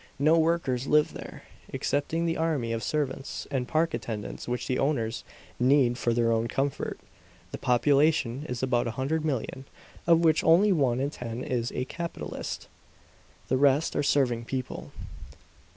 No workers live there, excepting the army of servants and park attendants which the owners need for their own comfort. The population is about a hundred million, of which only one in ten is a capitalist. The rest are serving people."